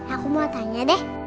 aku mau tanya deh